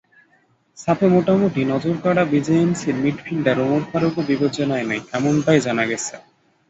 সাফে মোটামুটি নজরকাড়া বিজেএমসির মিডফিল্ডার ওমর ফারুকও বিবেচনায় নেই, এমনটাই জানা গেছে।